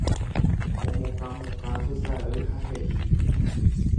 Omokãmokã hesay ha he'i